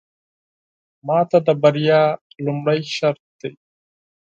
ماته د بريا لومړې شرط دی.